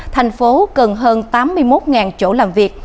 thành phố cần hơn tám mươi một chỗ làm việc